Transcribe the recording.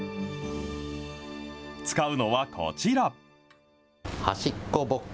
使うのはこちら。